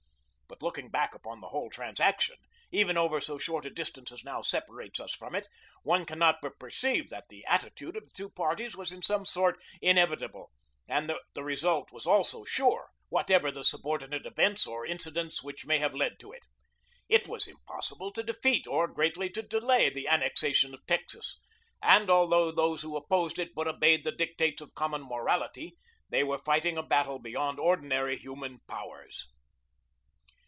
But looking back upon the whole transaction even over so short a distance as now separates us from it one cannot but perceive that the attitude of the two parties was in some sort inevitable and that the result was also sure, whatever the subordinate events or incidents which may have led to it. It was impossible to defeat or greatly to delay the annexation of Texas, and although those who opposed it but obeyed the dictates of common morality, they were fighting a battle beyond ordinary human powers.